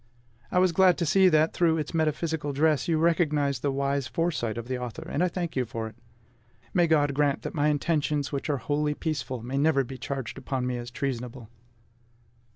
I was glad to see that through its metaphysical dress you recognized the wise foresight of the author; and I thank you for it. May God grant that my intentions, which are wholly peaceful, may never be charged upon me as treasonable!